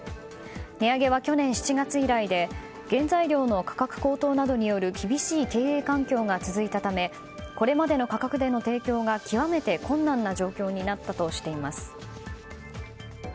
値上げは去年７月以来で原材料の価格高騰などによる厳しい経営環境が続いたためこれまでの価格での提供が極めて困難な状況になったとしています。